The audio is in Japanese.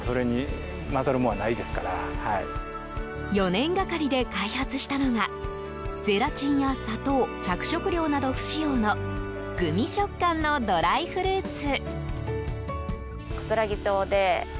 ４年がかりで開発したのがゼラチンや砂糖着色料など不使用のグミ食感のドライフルーツ。